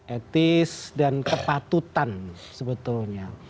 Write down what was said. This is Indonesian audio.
etis dan kepatutan sebetulnya